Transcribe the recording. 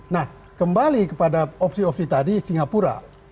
nah kembali kepada opsi opsi tadi singapura